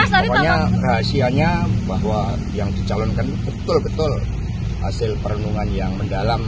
pokoknya rahasianya bahwa yang dicalonkan betul betul hasil perenungan yang mendalam